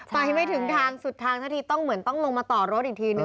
ไปไม่ถึงทางสุดทางสักทีต้องเหมือนต้องลงมาต่อรถอีกทีนึง